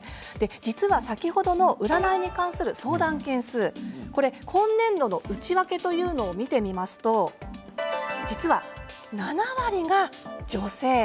実は先ほどの占いに関する相談件数今年度の内訳というのを見てみますと実は７割が女性。